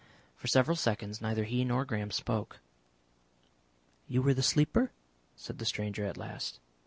For several seconds neither he nor Graham spoke. "You were the Sleeper?" said the stranger at last.